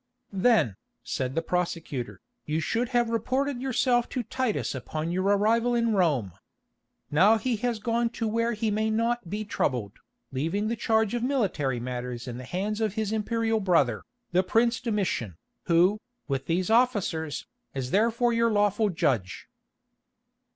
"Then," said the prosecutor, "you should have reported yourself to Titus upon your arrival in Rome. Now he has gone to where he may not be troubled, leaving the charge of military matters in the hands of his Imperial brother, the Prince Domitian, who, with these officers, is therefore your lawful judge."